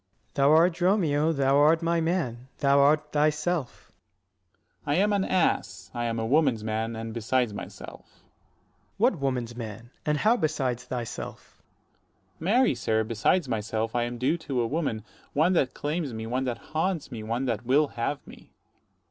Ant. S. Thou art Dromio, thou art my man, thou art 75 thyself. Dro. S. I am an ass, I am a woman's man, and besides myself. Ant. S. What woman's man? and how besides thyself? Dro. S. Marry, sir, besides myself, I am due to a 80 woman; one that claims me, one that haunts me, one that will have me.